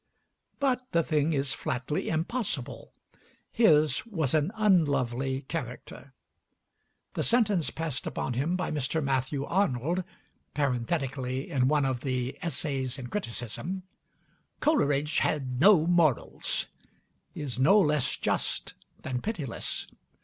But the thing is flatly impossible. His was an unlovely character. The sentence passed upon him by Mr. Matthew Arnold (parenthetically, in one of the 'Essays in Criticism') "Coleridge had no morals" is no less just than pitiless.